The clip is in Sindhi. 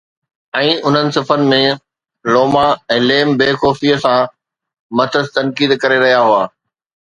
۽ انهن صفحن ۾، لوما ۽ ليم بي خوفيءَ سان مٿس تنقيد ڪري رهيا هئا